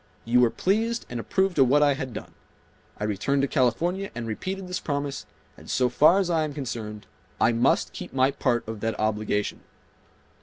You were pleased and approved of what I had done. I returned to California and repeated this promise, and so far as I am concerned, I must keep my part of that obligation."